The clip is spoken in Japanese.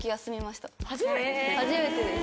初めてです。